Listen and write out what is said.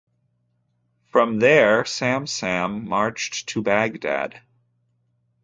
From there Samsam marched to Baghdad.